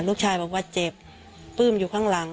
ลูกชายบอกว่าเจ็บปื้มอยู่ข้างหลัง